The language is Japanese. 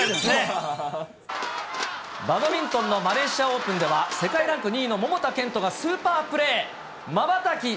バドミントンのマレーシアオープンでは、世界ランク２位の桃田賢斗がスーパープレー。